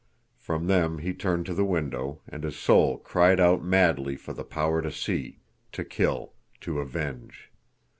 From them he turned to the window, and his soul cried out madly for the power to see, to kill, to avenge.